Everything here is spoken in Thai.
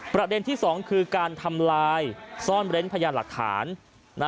ประเด็นที่สองคือการทำลายซ่อนเร้นพยานหลักฐาน